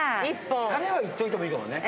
タレは行っておいてもいいかもね。